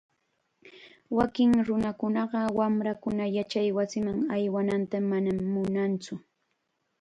Wakin nunakunaqa wamrankuna yachaywasiman aywananta manam munantsu.